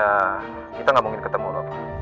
sepertinya kita gak mungkin ketemu pak